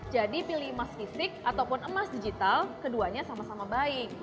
jadi pilih emas fisik ataupun emas digital keduanya sama sama baik